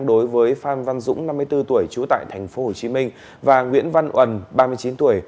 đối với phan văn dũng năm mươi bốn tuổi trú tại tp hcm và nguyễn văn uẩn ba mươi chín tuổi